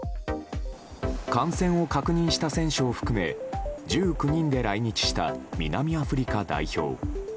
感染を確認した選手を含め１９人で来日した南アフリカ代表。